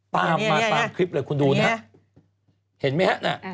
ตามคลิปเลยคุณดูนะฮะเห็นมั้ยฮะ